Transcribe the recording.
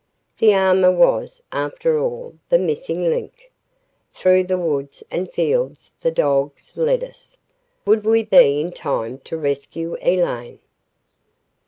The armor was, after all, the missing link. Through woods and fields the dogs led us. Would we be in time to rescue Elaine?